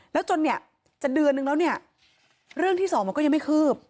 แล้วจนเนี่ยจะเดือนนึงแล้วเนี่ยเรื่องที่สองมันก็ยังไม่คืบ